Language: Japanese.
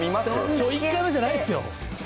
きょう１回目じゃないですよ。